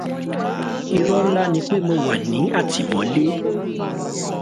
Irọ́ ńlá ni pé mo wà ní àtímólé.